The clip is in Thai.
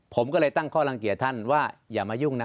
ผมก็เลยตั้งข้อลังเกียจท่านว่าอย่ามายุ่งนะ